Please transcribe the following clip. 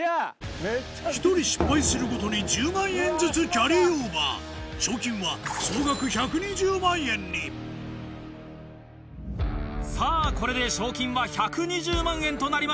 １人失敗するごとに１０万円ずつキャリーオーバー賞金は総額１２０万円にさぁこれで賞金は１２０万円となりました。